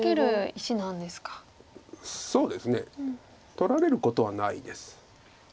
取られることはないです。